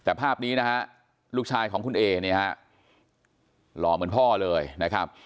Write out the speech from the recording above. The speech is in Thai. แต่ภาพนี้นะฮะลูกชายของคุณเอเนี่ยฮะหล่อเหมือนพ่อเลยนะครับ